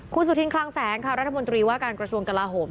คุณสุธินคลังแสงค่ะรัฐมนตรีว่าการกระทรวงกลาโหม